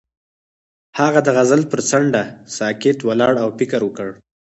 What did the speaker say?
هغه د غزل پر څنډه ساکت ولاړ او فکر وکړ.